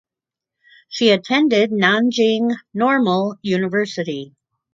She attended Nanjing Normal University.